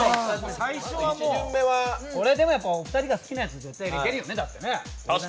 これ、お二人が好きなやつ、絶対出てるよね。